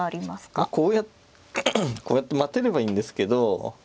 まあこうやって待てればいいんですけど